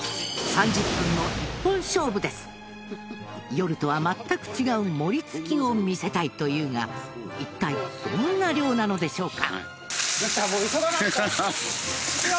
夜とは全く違うモリ突きを見せたいというが一体どんな漁なのでしょうか？